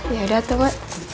yaudah tuh mak